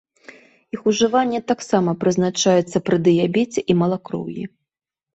Іх ужыванне таксама прызначаецца пры дыябеце і малакроўі.